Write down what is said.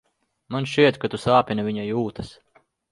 Man šķiet, ka tu sāpini viņa jūtas.